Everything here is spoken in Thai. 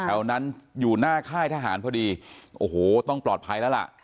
แถวนั้นอยู่หน้าค่ายทหารพอดีโอ้โหต้องปลอดภัยแล้วล่ะ